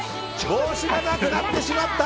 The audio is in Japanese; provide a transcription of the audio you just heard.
帽子がなくなってしまった。